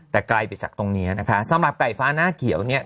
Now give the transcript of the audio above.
แต่ไกลไปจากตรงเนี้ยนะคะสำหรับไก่ฟ้าหน้าเขียวเนี่ย